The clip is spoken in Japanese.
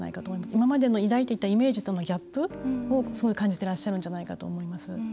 今までの抱いていたイメージとのギャップを感じてらっしゃると思います。